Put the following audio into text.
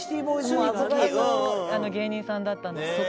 もう憧れの芸人さんだったんです。